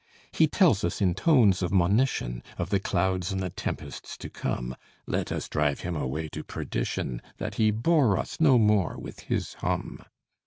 He tells us in tones of monition Of the clouds and the tempests to come: Let us drive him away to perdition, That he bore us no more with his hum.